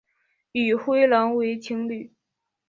与灰狼为情侣。